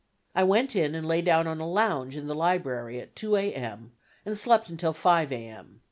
I went in and lay down on a lounge in the library at 2 A. M. and slept until 5 A. M..